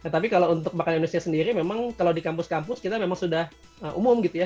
tapi kalau untuk makanan indonesia sendiri memang kalau di kampus kampus kita memang sudah umum gitu ya